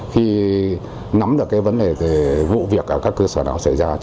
khi nắm được cái vấn đề về vụ việc ở các cơ sở nào xảy ra